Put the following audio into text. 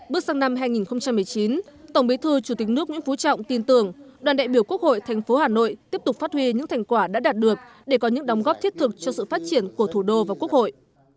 bước sang năm hai nghìn một mươi chín tổng bí thư chủ tịch nước nguyễn phú trọng tin tưởng đoàn đại biểu quốc hội thành phố hà nội tiếp tục phát huy những thành quả đã đạt được để có những đóng góp thiết thực cho sự phát triển của thủ đô và quốc hội